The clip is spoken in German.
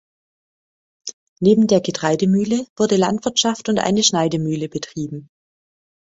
Neben der Getreidemühle wurde Landwirtschaft und eine Schneidemühle betrieben.